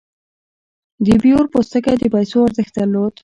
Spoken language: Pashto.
د بیور پوستکی د پیسو ارزښت درلود.